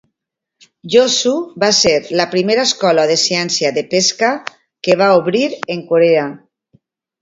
Yosu va ser la primera escola de ciència de pesca que va obrir en Corea.